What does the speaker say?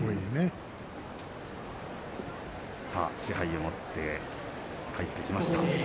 賜盃を持って入ってきました。